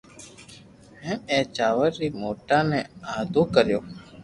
ھين اي چاور ري دوڻا ني آدو ڪريو